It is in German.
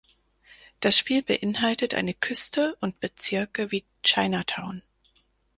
Das Spiel beinhaltet eine Küste und Bezirke wie Chinatown.